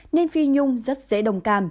nên phi nhung rất dễ đồng cảm